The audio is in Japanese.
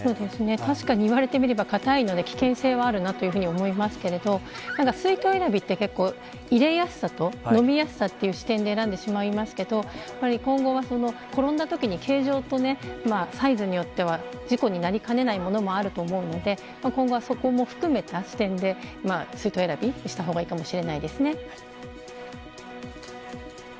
確かに言われてみれば硬いので危険性はあるなと思いますが水筒選びで結構入りやすさとか飲みやすさという視点で選んでしまいますが今後は転んだときに形状とサイズによっては事故になりかねないものもあると思うので今後はそこも含めた視点で水筒選びをした方がいいかもしれないですね。